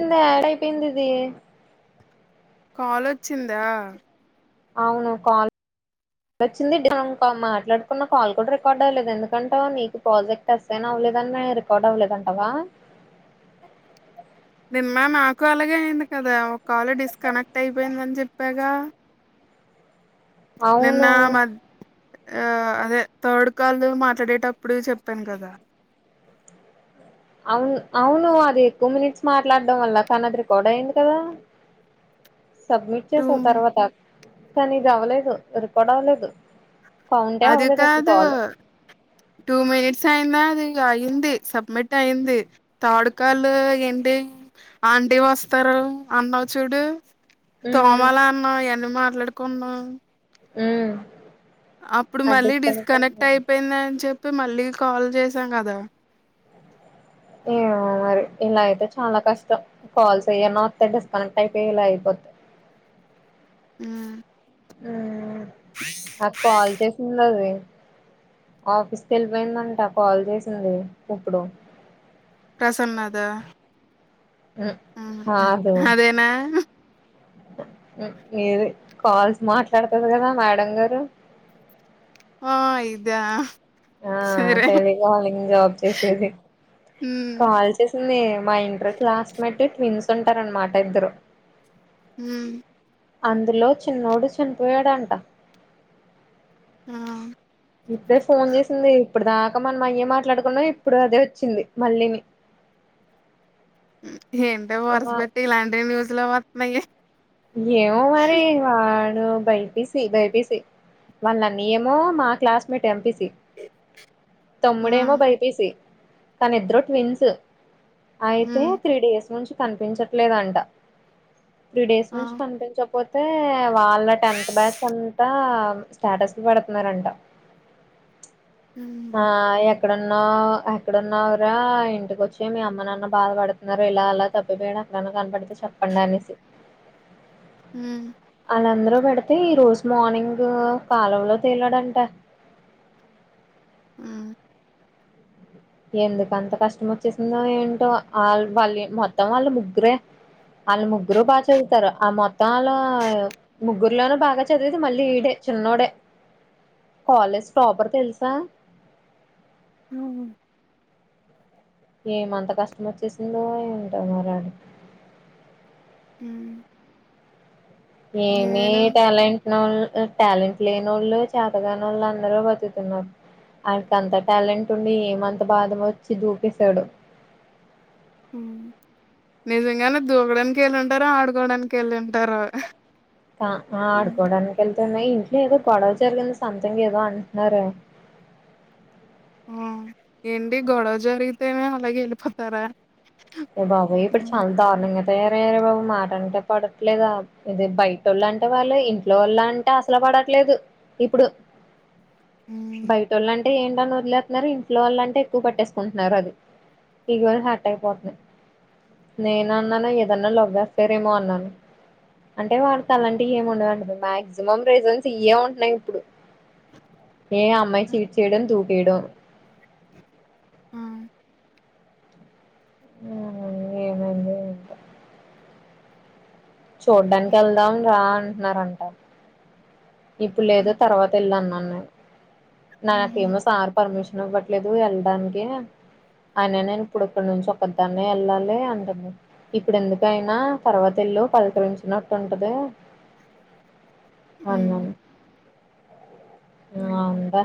ఇంద యాడయి పోయింది కాల్ొచ్చిందా అవును కాల్ వచ్చింది మం మాట్లాడుకున్న కాల్ కూడా రికార్డ్ అవ్వలేదు ఎందుకంటే నీకు ప్రాజెక్ట్ ఎస్సైన్ అవ్వలేదని రికార్డ్ అవ్వలేదుంటావా నిమ్మా నాకు అలాగే అయింది కదా ఒకళ డిస్కనెక్ట్ అయిపోయిందని చెప్పాగా నిన్న అవును మధ్ ఆ అదే థర్డ్ కాల్ మాట్లాడేటప్పుడు చెప్పాను కదా అవును అవును అది ఎక్కువ మినిట్స్ మాట్లాడడం వల్ల తనది్రిికడ అయింది కదా సబ్మిట్ టూ చేసుతారువాతా కానీ ఇది అవ్వలేదు ఎరిపాడు అవ్వలేదు కౌంటే అవ్వలేదు అదికా అసలు అద కాల్ టూ మనిిట్స్ ఆయంద ఇ అయింది సబ్మిట్ అయింది తాడుకాలు ఏంటి ఆంటీ వస్తారు అన్నా చూడు ఉమ్ తోమాల అన్న ఎనుమా పట్లాడుకున్నా మ్మ్ అప్పుడు మళ్ళీ డిస్కనెక్ట్ అయిపోయింద అని చెప్ప తే మళ్ళీ కాల్ చేసాం కదా ఏమో మరి ఇలా అయితే చాలా కష్టం కాల్స్ అయ్యన్న వస్తే డిస్కనెక్ట్ అయిపోయి ఇలా అయిపోతయ్ ఉమ్, మ్మ్ నాకు కాల్ చేసింది అది ఆఫీస్కి వెళ్ళిపోయిందంట కాల్ చేసింది ఇప్పుడు ప్రసన్న దా మ్మ్ అదేనా మీరు కాల్స్ మాట్లాడుతరు కదా మేడం గారు ఆ ఇదా ఆ సరే. టెలికాలింగ్ జాబ్ చేసేది హ్మ్. కాల్ చేసింది మా ఇంటర్ క్లాస్ మేట్ ట్విన్స్ స్తుంటార అన మాట ఇద్దరు హు మ్మ్ అందులో చిన్నోడు చనిపోయాడంట ఆ! ఇప్పుడే ఫోన్ చేసింది ఇప్పుడు దాకా మనం అయ్యే మాట్లాడుకునం ఇప్పుడు అదే వచ్చింది మళ్ళీని ఏంట ఆ వర్స్బెట్టి ఇలాంటీ న్యూస్ ల వతూన్నాయి ఏవో మరి వా లు బైపిసి బైపిసి వల్ల అన్నయ్య ఏమో మా క్లాస్మేట్ ఎంపి సి ఆ! తమ్ముడేమో బైపిసి తను ఇద్దరు ట్విన్స్ అయితే హ్మ్. త్రీ డేస్ నుంచి కనిపించట్లేదంట త్రీ డేస్ ఆ! నుంచి కనిపించకపోతే వాళ్ళ టెన్త్ బ్యాచ్ అంతా స్టే లు పెడుతున్నారంట హ్మ్. ఆ ఎ ఎక్కడున్న ఎక్కడున్నవరా ఇంటికొచ్చి మీ అమ్మ నాన్న బాధ పడుతున్నారు ఇలా అలా తప్పిపోయాడు ఎక్కడన్నా కనపడితే చెప్పండి అనేసి హుమ్ వాళ్ళందరూ పెడితే ఈ రోజు మార్నింగ్ కలవ లో తేలాడంట హ్మ్. ఎందుకు అంత కష్టం వచ్చేసిందో ఏంటో వాళ్ వాళ్ళు మొత్తం వాళ్ళు ముగ్గురే వాళ్ళ ముగ్గురు బాగా చదువుతారు ఆ మొత్తం వాళ్ళ ముగ్గురులోన బాగా చదివేది మళ్ళీ ఈడే చిన్నోడే కాలేజ్ టాపర్ తెలుసా హుమ్ ఏమంత కష్టం వచ్చేసిందో ఏంటో మరాడి హుమ్ ఏమి టాలెంట్ ళ్ళు టాలెంట్ లేని ఓళ్ళు చేతగాని ఓళ్ళు అందరూ బతుతున్నారు ఆడికి అంత టాలెంట్ ఉండి ఏమంత బాధం వచ్చి దూకేసాడో నిజంగానే దూకడానికి వెళ్ళింటారో ఆడుకోడానికి వెళ్ళి ఉంటారో కా ఆడ్కోడా నిక ఎల్ తన ఇంట్లో ఏదో గొడవ జరిగింది సంథింగ్ ఏదో అంటున్నారే ఆ ఏంటి గొడవ జరిగితేనే అలాగే వెళ్ళిపోతారా అయ్య బాబోయ్ ఇప్పుడు చాలా దారుణంగా తయారయ్యారే బాబు మాట అంటే పడట్లేదు ఇది బయటోళ్ళు అంటే పర్లేదు ఇంట్లో వాళ్ళు అంటే అసలు పడట్లేదు ఇప్పుడు హ్మ్. బయటోళ్ళుంట్ అంటే ఏంటని వదిలేతున్నారు ఇంట్లో వాల్లంటే ఎక్కువ పెట్టేసుకుంటున్నారు అది ఈగో లు హర్ట్ అయిపోద్ది నేనన్నాను ఏదన్నా లవ్ ఎఫైరేమో అన్నాను అంటే వాడికి అలాంటివి ఏముండవంట మాక్సిమం రీజన్స్ ఇయే ఉంటున్నాయి ఇప్పుడు ఏ అమ్మాయి చీట్ చేయడం తూ వీడు హ్మ్ ఆ ఏమైందో ఏంటో చూడ్డానికి వెళ్దాం రా అంటన్నారంట ఇప్పుడు లేదు తర్వాత వెళ్ళు అన్నా హ్మ్ నా హుహు. ఫేమసార్ పర్మీషన్ అవ్వట్లేదు వెళ్ళడానికి అయిన నేను ఇప్పుడు ఇక్కడి నుంచి ఒకదాన్నే వెళ్ళాలి అంటంది ఇప్పుడు ఎందుకు అయినా తర్వాత ఎల్లు పలకరించినట్టుంటది. హ్మ్. అన్నాను ఆ హుహు. ఉందా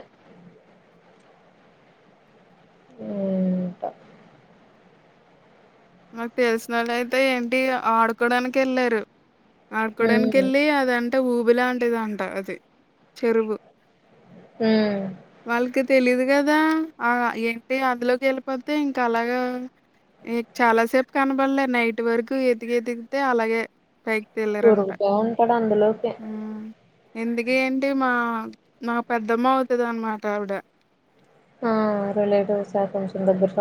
ఏంటో మాకు తెలిసిన వాళ్ళు అయితే ఏంటి ఆడుకోడానికి వెళ్ళారు ఆడుకోడానికి ఉమ్ వెళ్ళి అదంట ఊ ఉబులాంటిదంట అది చెరువు హ్మ్ వాళ్ళకి తెలీదు కదా ఆ ఏంటి అందులోకి వెళ్ళిపోతే ఇంకా అలాగా ఎ చాలా సేపు కనబడలే నైట్ వరకు ఎతికి ఎతికితే అలాగే పైకి తేలారంట. ఉరుగుతా ఉంటాడు అందులోకి ఎందుకు ఏంటి మా మాకు పెద్దమ్మ అవుతుంది అన్నమాట ఆవిడ ఆ రళడు సాకు చుంద బ [unintelligible]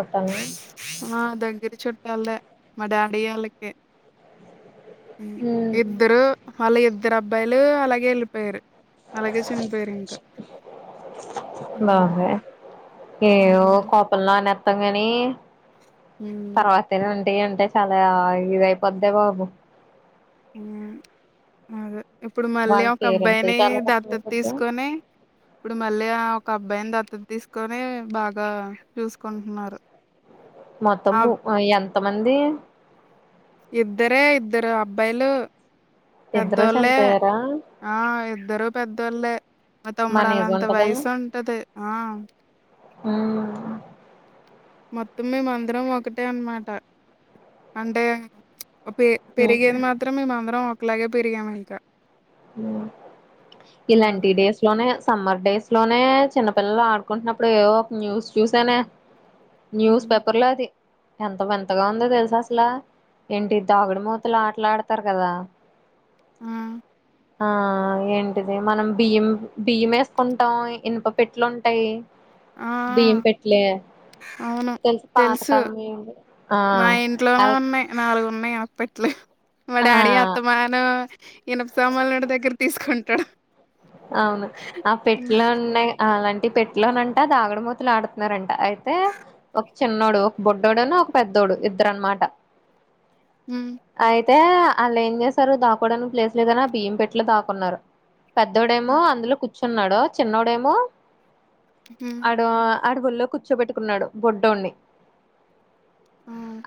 ఆ దగ్గరి చు ట్టాలే మా డాడీ వాళ్ళకి ఉమ్ ఇద్దరు హలా ఇ ఇద్దరు అబ్బాయిలు అలాగే వెళ్ళిపోయారు [unintelligible] బాధ హ్మ్. గా ఏదో హ్మ్. కోపం లో అనే [unintelligible] హ్మ్. తర్వాతన ఏఅంటే చాలా ఇదియిపోద్దే బాబు హ్మ్ అదే ఇప్పుడు మళ్ళీ వాళ్ళ ఒక పేరెంట్స్ అబ్బాయిని చాలా దత్తత కష్టమైపోద్ది తీసుకొని ఇప్పుడు మళ్ళీ ఒక అబ్బాయిని దత్త దత్తత తీసుకొని బాగా చూసుకుంటున్నారు మొత్తం ఆబ్ ఎంత త్తమంది ఇద్దరే ఇద్దరు అబ్బాయిలు ఇద్దరు పెద్దోళ్ళే చనిపోయారా ఆ ఇద్దరు పెద్దోళ్ళ ఒక మన ఏజ్ తొమ్ముడుళ్ళంత ఉంటదా వయసు ఉంటది ఆ అ మొత్తం మేము అందరం ఒకటే అనమాట అంటే పెరిగేది మాత్రం మేమందరం అట్లాగే పెరిగా మళ్ ఇలాంటి అలాగే డేస్ లోనే సమ్మర్ డేస్ లోనే చిన్నపిల్లలు ఆడుకుంటున్నప్పుడు ఏదో ఒక న్యూస్ చూసానే న్యూస్ హ్మ్. పేపర్ లో అది ఎంత మంతగా ఉందో తెలుసు అసలు ఏంటి దాగుడి మూతలు ఆటలాడతారు కదా ఆ ఆ ఏంటిది మనం బియ్యం బియ్యం వేసుకుంటాం ఇనప పెట్లుంటాయి ఆ అవును తెలుసు ఆ మా ఇంట్లోనే అవి ఉన్నాయి నాలుగు ఉన్నాయి అప్పట్లే మా డాడీ ఆ అత్తమాను ఈనప సామాన్డు దగ్గర తీసుకుంటాడు అవును ఆ పెట్లో ఉన్న అలాంటి ట్టి పెట్లోనంట దాగడమూతులు ఆడుతున్నారంట అయితే ఒక చిన్నోడు ఒక బొడ్డోడు అని ఒక పెద్దోడు ఇద్దరు అనమాట హ అయితే అళ్లా ఏం చేసారు దాకోవడానికి ప్లేస్ లేదనా బియ్యం పెట్లో దాకున్నారు పెద్దోడేమో హ్మ్ అందులోచ చున్నాడు చిన్నోడేమో హ్మ్. అడో అడగుల్లో కూర్చోబెట్టుకున్నాడు బొడ్డోని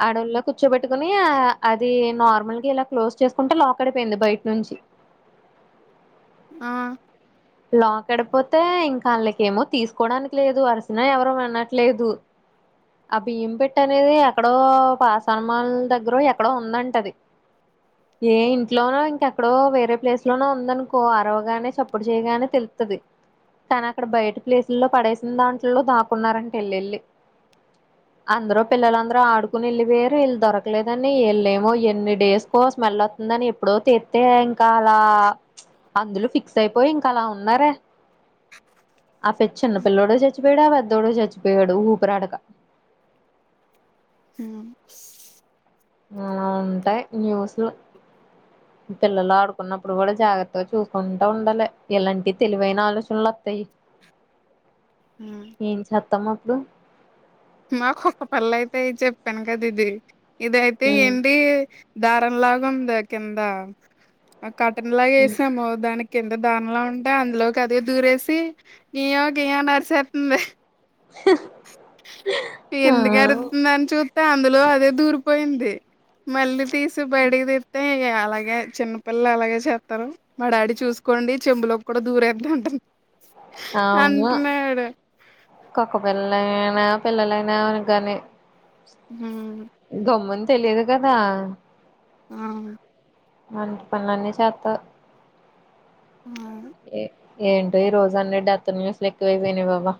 అడలో కూర్చోబెట్టుకుని అది నార్మల్గా ఇలా క్లోజ్ చేసుకుంటే లాక్ అడిపోయింది బయట నుంచి ఆ లోకడిపోతే ఇంకా వాళ్ళకి ఏమో తీసుకోవడానికి లేదు అరిసిన ఎవరు వినట్లేదు ఆ బియ్యం పెట్ట అనేది ఎక్కడో పాసనమల్ దగ్గర ఎక్కడో ఉందంటది ఏ ఇంట్లోనో ఇంకెక్కడో వేరే ప్లేస్ లోనో ఉందనుకో అరవగానే చప్పుడు తెలుతుంది తను అక్కడ బయట ప్లేసుల్లో పడేసిన దాంట్లో దాకున్నారంట వెళ్ల్లిిళ్ళి అందరు పిల్లలందర ఆడుకుని వెళ్ళి వేయరు వల్ళు దొరకలేదని వళ్ళమో ఎన్ని డేస్కో స్మెల్ అతుందని ఎప్పుడో తెత్తే ఇంకా అలా అందులో ఫిక్స్ అయిపో పోయింకాాలా ఉన్నారే ఆ పెచ్చన్న పిల్లోడ చచ్చిపోడావాద్ద ోడు చచ్చిపోయాడు ఊపురా అడక ఆ ఆ ఉంటాయి న్యూస్లు పిల్లలు ఆడుకున్నప్పుడు కూడా జాగ్రత్తగా చూసుకుంటా ఉండాలి ఇలాంటివి తెలివైన ఆలోచనలు వస్తాయి హ్మ్ ఏం చెత్తమ్మా డు మాకుఒక పళ్ళ అయితే చెప్పాను కదా ఇది ఇదయితే ఏంటి దారంలాగా ంద కింద కటన్ లాగ వేసాము దానికి ఎంత దానలో ఉంటే అందులోకి అది దూరేసి ఈయోగయ నరిచేస్తుంది ఎందుకు అరుతుందని చూస్తే అందులో అదే దూరి పోయింది ది మళ్ళీ తీస్ సి బయటికి తీస్తే ఇగ అలాగే చిన్నపిల్లలు అలాగే చేస్తారు, మా డాడీ చూసుకోండి చెంబులోకి కూడా దూరదు అంటం అవును కొకపిల్ల హె నా పిల్లలయినా అనగాని హ్మ్ గమన్ తెలిదు కదా ఆ మంట పనులన్నీ చేత్త ఆ ఏంటో ఈ రోజు అన్నిడత్త నిమిషలు ఎక్కువైపోయినాయి బాబా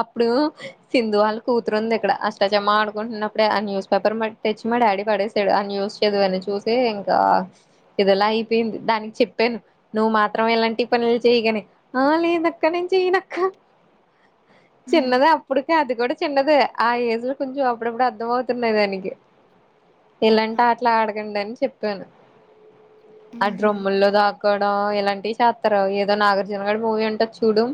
అప్పుడు సింధు వాళ్ళ కూతురుంది ఇక్కడ, అష్టచమా ఆడుకుంటున్నప్పుడే ఆ న్యూస్ పేపర్ట్టి తెచ్చి మా డాడీ పడసాడు, ఆ న్యూస్ చదువని చూసి ఇంకా ఇదిలా అయిపోయింది దానికి చెప్పాను నువ్వు మా మాత్రమే ఎలాంటి పనులు చేయగానే ఆ లేదక్క నేను చెయనక్క చిన్నదా హ్మ్. అప్పుడు అది కూడా చిన్నది ఆ ఏజ్ లో కొంచెం అప్పుడప్పుడు అర్ధం అవుతున్నయి దానికి ఎలంటా అట్లా ఆడ ని చెప్పను అ హుహు. డ్రంలో ద క్కడం ఎలాంటి చేస్తార ఏదో నాగార్జున గాడి మూవీ అంట చూడు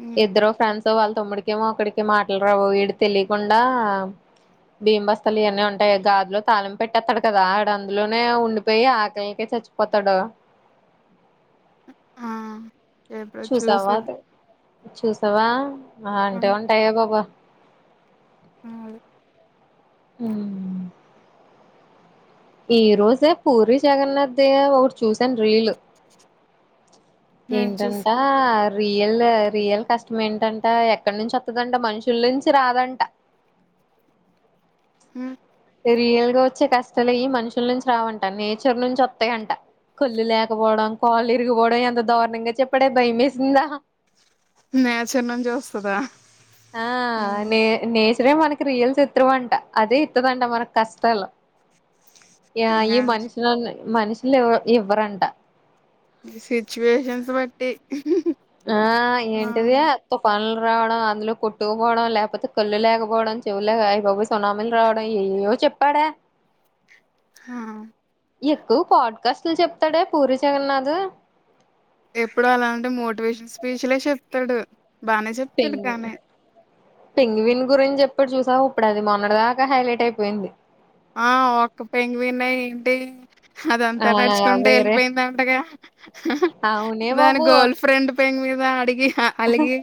హ్మ్. ఇద్దరు ఫ్రెండ్స్ వాళ్ళ తమ్ముడికేమో అక్కడికేం మాట్లాడరావు, విడు తెలియకుండా, బియ్యం బస్థలు ఇవన్న ఉంటాయి కదా, గాదులో తాళిం పెట్టేస్తాడు కదా ఆడ అందులోనే ఉండిపోయి ఆకలికే చచ్చిపోతాడు. ఆ ఎప్పుడో చూసావా చూసా అది చూసావా ఆ అంటే ఉంటాయా బాబా అ అ ఈ రోజే పూరి జగన్నాథ్ ది ఒకటి చూసాను రీలు నేను ఏంటంటా చూసుకో రియల్ రియల్ కష్టం ఏంటంట ఎక్కడ నుంచి వస్తుదంట మనుషుల నుంచి రాదంట. మ్ రియల్ గా వచ్చే కష్టాలు ఈ మనుషుల నుంచి రావంట, నేచర్ నుంచి వస్తాయింట, కొళ్ళు లేకపోవడం కాళ్ళు ఇరిగిపోవడం ఎంత దారుణంగా చెప్పడే భయమేసిందా నే చిన్నం చూస్తుందా ఆ నే నే చిత్రే మనకి రియల్ చిత్రం అంట అదే ఇస్తుదంట మనకు కష్టాలు ఈ నేచ్ మనుషన మనషలు ఇ ఇవ్వరంట సిచ్యువేషన్స్ బట్టి ఆ ఆ ఏంటిద తుఫన్లు రావడం అందులో కొట్టుకుపోవడం లేకపోతే కళ్ళు లేకపోవడం, చెవులే అయిబాబు సునాములు రావడం ఏవో చెప్పాడా హా ఎక్కువ పాడ్కాస్ట్లు చెప్తాడే పూరి జగన్నాథ్ ఎప్పుడు అలాంటి మోటివేషన్ స్పీచ్లే చెప్తాడు బానే చెప్తాడు పెంగ్ కానీ. హ్మ్. పెంగవిన్ గురించి చెప్ ఇప్పుడు చూసావు ఇప్పుడు అది మొన్నడి దాకా హైలైట్ అయిపోయింది ఆ ఒక్క పెంగ్వినే ఏంటి అదంతా ఆ నడుచుకుంటే వేరే వెళ్ళిపోయింద అంటగా అవునే దాని బాబు గర్ల్ ఫ్రెండ్ పెంగ్ మీద అడిగి అ అలాగే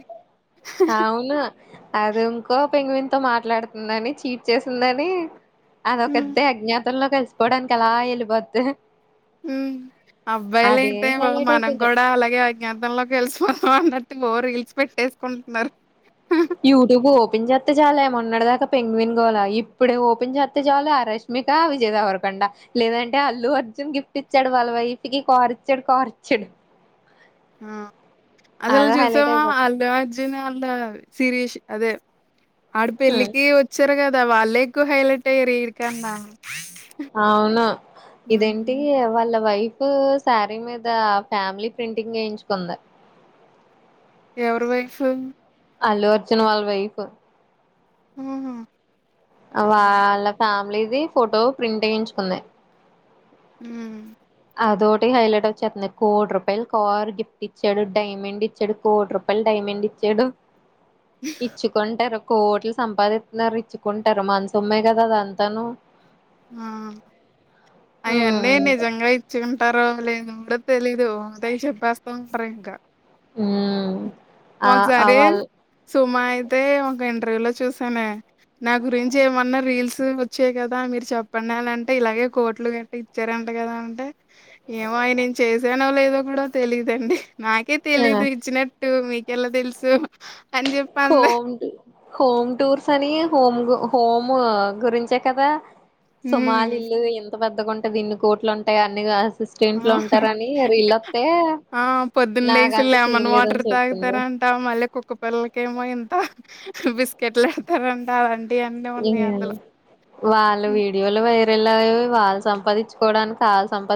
అవును అది ఇంకో పెంగవిన్తో మాట్లాడుతుందని చీట్ చేసిందని హ్మ్. అదోకతే అజ్ఞా మత్తల్లో కలిసిపోవడానికి అలా వెళ్ళిపోద్ది మ్ అబ్బాయిలు అదే అయితే హైలైట్ మనం అయిపోయింది కూడా అలాగే అజ్ఞాతంలో కలిసుపోన్నా అన్న మోర్ రీల్స్ పెట్టేసుకుంటున్నారు యూట్యూబ్ ఓపెన్ చేస్త చాల మోన్నటి దాకా పెంగవినుగోల, ఇప్పుడే ఓపెన్ చేస్త చాలు ఆ రష్మిక విజయ్ దేవరకొండా, లేదంటే అల్లు అర్జున్ గిఫ్ట్ ఇచ్చాడు వాళ్ళ వైఫకి కార్ ఇచ్చాడు కార్ ఇచ్చాడు. ఆ అసలు అదో హైలైట్ చూసామా అయిపోతుంది అల్డ అర్జున్ అల్లు సిరీస్ అదే ఆడ పెళ్ళికి వచ్చారు కదా ద వాళ్లే ఎక్కువ హైలైట్ అయినారు వీళ్ళుకనా అవునా ఇదేంటి హ్మ్. వాళ్ళ వైఫ్ శారీ మీద ఫ్యామిలీ ప్రింటింగ్ వేయించుకుంది ఎవరు వైఫ్ అలు అర్జున వాళ్ళ వైఫ్ హ్మ్ ఆహ్ వాల్ల పామ్ మీది ఫోటో ప్రింట్ వేయించుకుందే. ఉహ్ హు అదోటి హైలైట్ వచ్చేతంది. కోటి రూపాయలు కార్ గిఫ్ట్ ఇచ్చాడు, డైమండ్ ఇచ్చాడు, కోటి రూపాయలు డైమండ్ ఇచ్చాడు. ఇచ్చుకుంటారు. కోట్లు సంపాదిత్తున్నారు. ఇచ్చుకుంటారు మన సోమ్మే కదా అదంతాను. ఆహ్ అయ్యన్నీ ఉమ్ నిజంగా ఇత్ చ్చుకుంటారో లేదొ కూడా తెలీదు. అదే చెప్పేస్తా ఉంట్రూ ఇంకా. ఉహ్మ్ ఒక్సారి సుమయ్ అయితే ఒక ఇంటర్వ్యూ లో చూసానే. నా గురించి ఏమన్నా రీల్స్ వచ్చాయి కదా మీరు చెప్పండి. అని అంటే ఇలాగే కోట్లు గట్టి ఇచ్చారంట కదా. అంటే ఏమో అయి నేన్ చేసానో లేదో కూడా తెలిదండి. నాకే ఆ తెలీదు ఇచ్చినట్ ట్టు మీ ఎలా తెలుసు హోమ్ టు హోమ్ టూర్స్ అని హోమ్ గు హోమ్ గురించే కదా హ్మ్. సుమాల ఇల్లు ఇంత పెద్ద గుంటది దీన్ని కోట్లు ఉంటాయి. అన్నీ గా అస్ ఆహ్ ఆ పొద్దున్నసలు నాకంత లెమన్ సీన్ లేదని వాటర్ చెప్పింది తాగుతారంటా. మళ్ళీ కుక్క పిల్లలకి కేమో ఇంత బిస్కెట్లు ఎడతారంటా. అవ్వన్ ఏవి వాళ్ళ వీడియోలు వైర్ ల్ అయి వాళ్ళు సంపాదించుకోవడానికి వాల్ సంపాద్